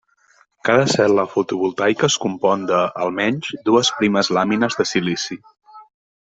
Cada cel·la fotovoltaica es compon de, almenys, dues primes làmines de silici.